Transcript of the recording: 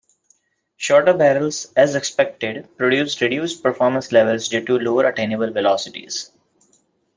Shorter barrels, as expected, produced reduced performance levels due to lower attainable velocities.